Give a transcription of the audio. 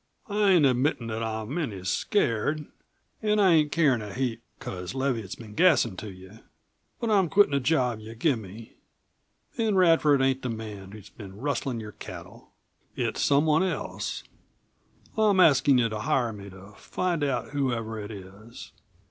"I ain't admittin' that I'm any scared. An' I ain't carin' a heap because Leviatt's been gassin' to you. But I'm quittin' the job you give me. Ben Radford ain't the man who's been rustlin' your cattle. It's someone else. I'm askin' you to hire me to find out whoever it is.